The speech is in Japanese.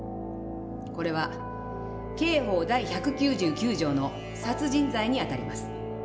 これは刑法第１９９条の殺人罪にあたります。